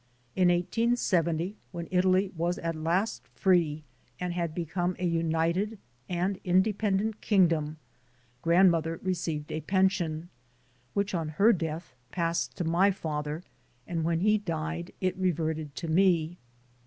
In 1870, when Italy was at last free and had become a united and independent kingdom, grandmother received a pen sion, which on her death passed to my father, and when he died it reverted to me.